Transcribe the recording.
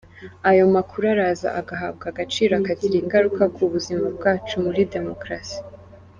Ayo makuru araza agahabwa agaciro, akagira ingaruka ku buzima bwacu muri demokarasi.